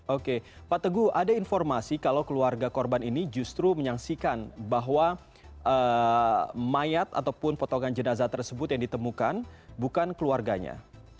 oke pak teguh ada informasi kalau keluarga korban ini justru menyaksikan bahwa mayat ataupun potongan jenazah tersebut yang ditemukan bukan keluarganya